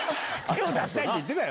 手を出したいって言ってた。